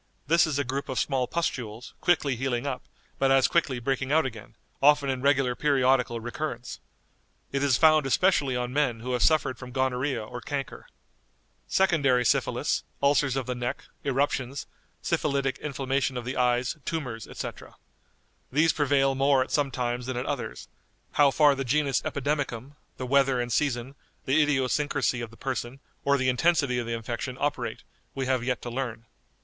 This is a group of small pustules, quickly healing up, but as quickly breaking out again, often in regular periodical recurrence. It is found especially on men who have suffered from gonorrhoea or chancre." "Secondary syphilis, ulcers of the neck, eruptions, syphilitic inflammation of the eyes, tumors, etc. These prevail more at some times than at others; how far the genus epidemicum, the weather and season, the idiosyncrasy of the person, or the intensity of the infection operate, we have yet to learn."